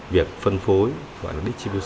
việc phân phối